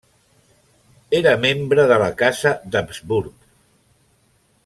Era membre de la casa d'Habsburg.